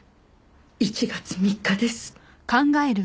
１月３日です。